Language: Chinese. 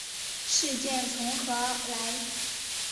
世界从何来？